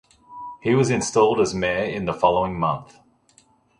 He was installed as mayor in the following month.